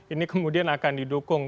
ini kemudian akan didukung